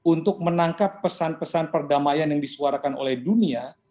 untuk menangkap pesan pesan perdamaian yang disuarakan oleh dunia